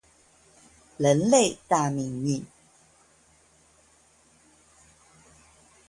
人類大命運